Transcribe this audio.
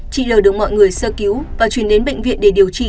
chị l được mọi người sơ cứu và chuyển đến bệnh viện để điều trị